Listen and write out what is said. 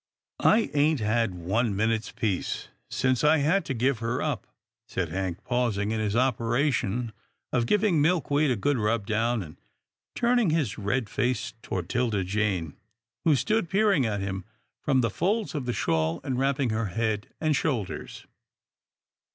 " I ain't had one minute's peace since I had to give her up," said Hank, pausing in his operation of giving Milkweed a good rub down, and turning his red face toward 'Tilda Jane, who stood peering at him from the folds of the shawl enwrapping her head and shoulders.